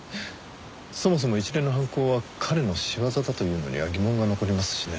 そもそも一連の犯行は彼の仕業だというのには疑問が残りますしね。